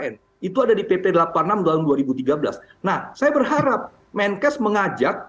nah saya berharap menkes mengajak